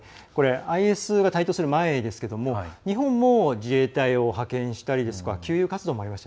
ＩＳが台頭する前ですけど日本も自衛隊を派遣したりですとか給油活動もありました。